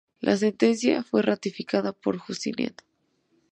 La sentencia fue ratificada por Justiniano.